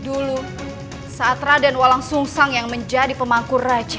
dulu saat raden walang sungsang yang menjadi pemangku raja